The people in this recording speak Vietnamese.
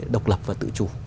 độc lập và tự chủ